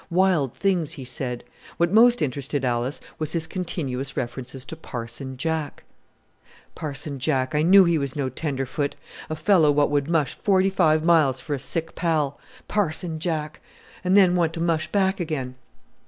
Wild things he said. What most interested Alice was his continuous references to "Parson Jack." "Parson Jack, I knew he was no tenderfoot; a fellow what would mush forty five miles for a sick pal Parson Jack and then want to mush back again.